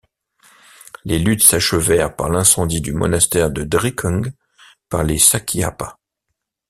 Les luttes s'achevèrent par l'incendie du monastère de Drikung par les sakyapa.